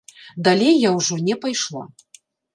Далей я ўжо не пайшла.